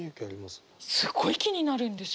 すごい気になるんですよ。